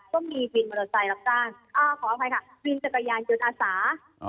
ก็มีวินมอเตอร์ไซค์รับจ้างขออภัยค่ะวินจักรยานยนต์อาสา